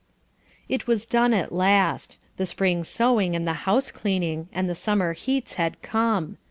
It was done at last the spring sewing and the house cleaning, and the summer heats had come.